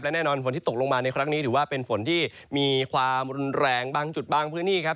แน่นอนฝนที่ตกลงมาในครั้งนี้ถือว่าเป็นฝนที่มีความรุนแรงบางจุดบางพื้นที่ครับ